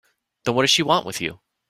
Then what does she want with you?